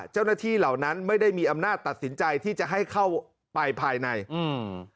เจ้าหน้าที่เหล่านั้นไม่ได้มีอำนาจตัดสินใจที่จะให้เข้าไปภายในอืม